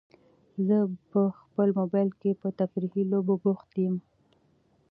زه په خپل موبایل کې په تفریحي لوبو بوخت یم.